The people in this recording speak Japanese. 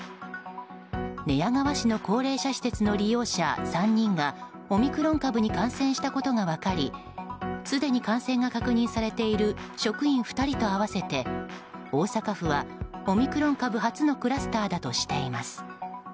寝屋川市の高齢者施設の利用者３人がオミクロン株に感染したことが分かりすでに感染が確認されている職員２人と合わせて大阪府はオミクロン株初のクラスターだとしています。